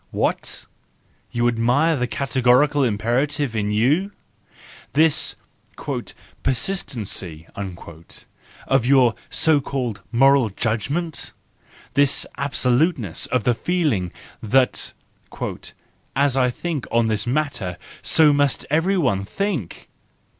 — What ? You admire the categorical imperative in you ? This " persistency " of your so called moral judgment? This absoluteness of the feeling that " as I think on this matter, so must everyone think"?